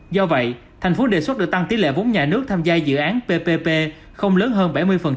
do vậy thành phố đề xuất được tăng tỷ lệ vốn nhà nước tham gia dự án ppp không lớn hơn bảy mươi